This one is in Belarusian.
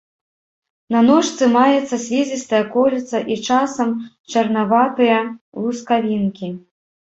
На ножцы маецца слізістае кольца і, часам, чарнаватыя лускавінкі.